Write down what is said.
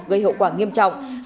gây hậu quả nghiêm trọng